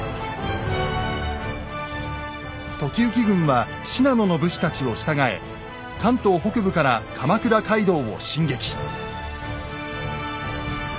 時行軍は信濃の武士たちを従え関東北部から鎌倉街道を進撃。